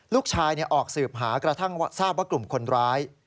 ลูกชายออกสืบหากระทั่งทราบว่ากลุ่มคนร้าย